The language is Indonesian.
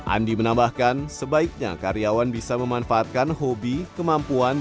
andi menambahkan sebaiknya karyawan bisa memanfaatkan hobi kemampuan